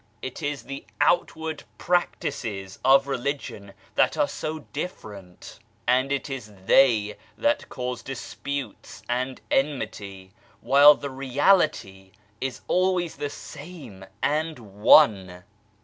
It is the out ward practices of religion that are so different, and it is they that cause disputes and enmity while the Reality is always the same, and one.